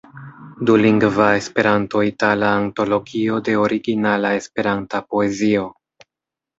Dulingva Esperanto-itala antologio de originala Esperanta poezio.